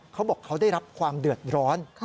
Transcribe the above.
เขาบอกเขาได้รับความเดือดร้อน